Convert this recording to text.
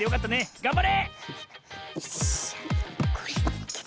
がんばれ！